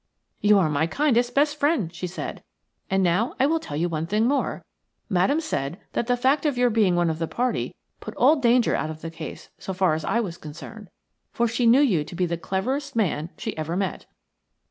"You are my kindest, best friend," she said; "and now I will tell you one thing more. Madame said that the fact of your being one of the party put all danger out of the case so far as I was concerned, for she knew you to be the cleverest man she ever met."